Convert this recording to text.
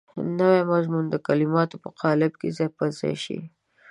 نوی مضمون د کلماتو په قالب کې ځای پر ځای شي.